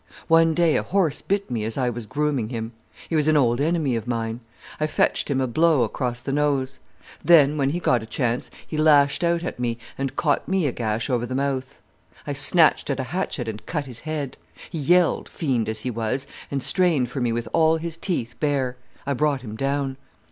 One day a horse bit me as I was grooming him. He was an old enemy of mine. I fetched him a blow across the nose. Then, when he got a chance, he lashed out at me and caught me a gash over the mouth. I snatched at a hatchet and cut his head. He yelled, fiend as he was, and strained for me with all his teeth bare. I brought him down.